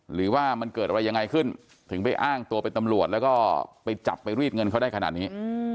หรือว่ามันเกิดอะไรยังไงขึ้นถึงไปอ้างตัวเป็นตำรวจแล้วก็ไปจับไปรีดเงินเขาได้ขนาดนี้